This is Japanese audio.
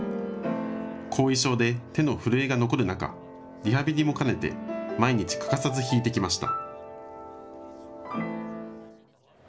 後遺症で手の震えが残る中、リハビリも兼ねて毎日、欠かさず弾いてきました。